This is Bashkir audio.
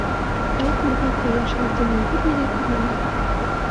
- Ай күрҙе, ҡояш алды, мин бер ни ҙә күрмәнем...